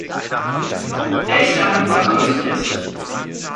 Er ist daher vollkommen zulässig.